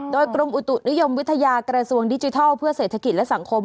โดยกรมอุตุนิยมวิทยากระทรวงดิจิทัลเพื่อเศรษฐกิจและสังคม